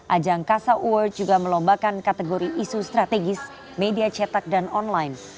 ajang kasa award juga melombakan kategori isu strategis media cetak dan online